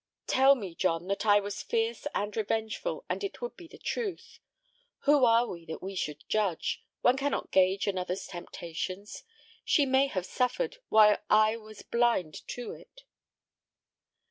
"Tell me; John, that I was fierce and revengeful, and it would be the truth. Who are we that we should judge? One cannot gauge another's temptations. She may have suffered while I was blind to it."